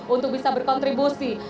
untuk bisa berkontribusi